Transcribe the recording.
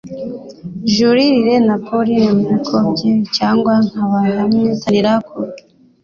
Julie Riley na Paula Wilcox nibyiza cyane nkabahatanira gukomera kurushanwa bisanzwe